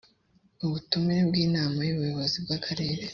ubutumire bw inama y ubuyobozi bw akarere